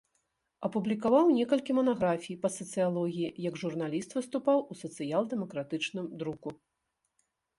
Апублікаваў некалькі манаграфій па сацыялогіі, як журналіст выступаў у сацыял-дэмакратычным друку.